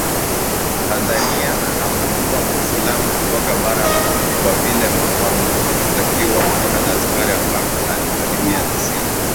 Tanzania anapokuwa Mwislamu kutoka Bara kwa vile Makamu hutakiwa kutoka Zanzibar ambako asilimia tisini